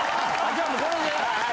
じゃあもうこれで。